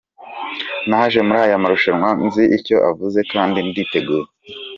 Naje muri aya marushanwa nzi icyo avuze kandi nditeguye.